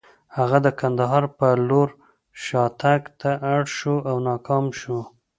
هغه د کندهار په لور شاتګ ته اړ شو او ناکام شو.